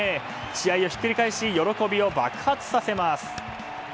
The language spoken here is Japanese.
試合をひっくり返し喜びを爆発させます。